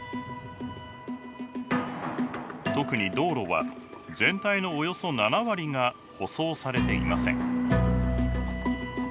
特に道路は全体のおよそ７割が舗装されていません。